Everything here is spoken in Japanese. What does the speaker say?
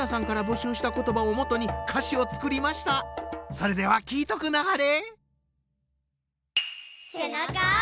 それでは聴いとくなはれ。